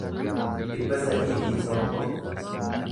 dhibba sadii fi tokko